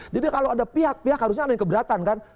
jadi kalau ada pihak pihak harusnya ada yang keberatan kan